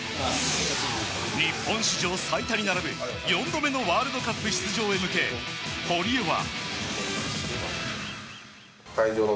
日本史上最多に並ぶ４度目のワールドカップ出場へ向け堀江は。